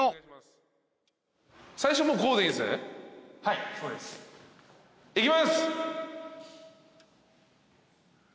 いきます！